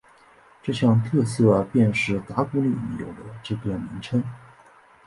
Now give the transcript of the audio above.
这项特色便使打鼓岭有了这个名称。